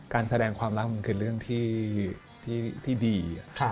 การแสดงความรักมันคือเรื่องที่ดี